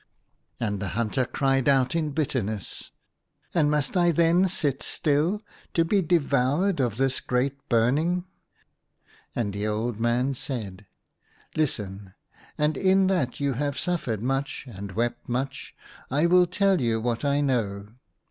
And the hunter cried out in bitterness — 32 THE HUNTER. "And must I then sit still to be devoured of this great burning ?" And the old man said —" Listen, and in that you have suffered much and wept much, I will tell you what I know.